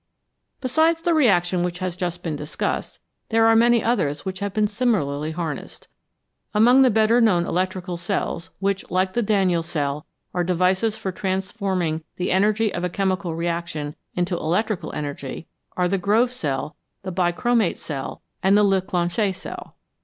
Besides the reaction which has just been discussed, there are many others which have been similarly harnessed. Among the better known electrical cells, which, like the Daniell cell, are devices for transforming the energy of a chemical reaction into electrical energy, are the Grove cell, the bichromate cell, and the Leclanche cell.